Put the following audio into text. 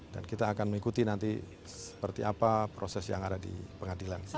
dan kita akan mengikuti nanti seperti apa proses yang ada di pengadilan